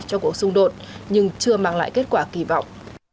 cho cuộc xung đột nhưng chưa mang lại kết quả kỳ vọng